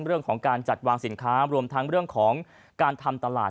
เรื่องของการจัดวางสินค้ารวมทั้งเรื่องของการทำตลาด